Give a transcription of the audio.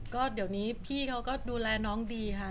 ตอนนี้พี่เขาก็ดูแลน้องดีค่ะ